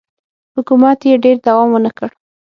حکومت یې ډېر دوام ونه کړ